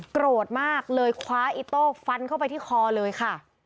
โกรธมากเลยคว้าอิโต้ฟันเข้าไปที่คอเลยค่ะ